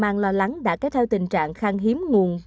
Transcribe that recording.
dân mang lo lắng đã kéo theo tình trạng khang hiếm nguồn